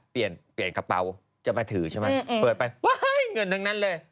เปลี่ยนเปลี่ยนกระเป๋าจะมาถือใช่ไหมเปิดไปเงินทั้งนั้นเลย